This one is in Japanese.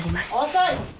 ・遅い！